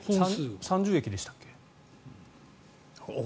３０駅でしたっけ？